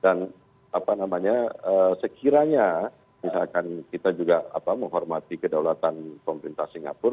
dan apa namanya sekiranya misalkan kita juga apa menghormati kedaulatan pemerintah singapura